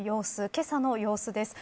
けさの様子です。